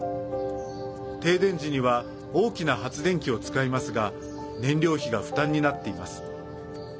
停電時には大きな発電機を使いますが燃料費が負担になっています。